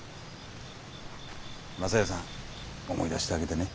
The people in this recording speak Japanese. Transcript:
雅代さん思い出してあげでね。